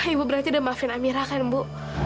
ibu berarti udah mafin amira kan bu